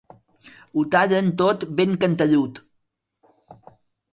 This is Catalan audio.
Ho tallen tot ben cantellut.